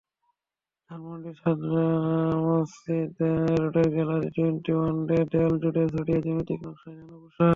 ধানমন্ডির সাতমসজিদ রোডের gallery twenty ওয়ানের দেয়ালজুড়ে ছড়িয়ে জ্যামিতিক নকশার নানা পোশাক।